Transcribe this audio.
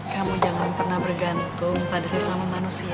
kamu jangan pernah bergantung pada sesama manusia